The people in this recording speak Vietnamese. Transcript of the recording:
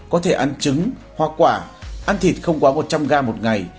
có thể ăn trứng hoa quả ăn thịt không quá một trăm linh gram một ngày